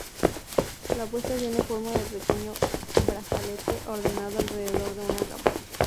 La puesta tiene forma de pequeño brazalete ordenado alrededor de una rama.